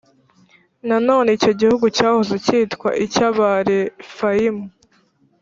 Nanone icyo gihugu cyahoze cyitwa icy’Abarefayimu. (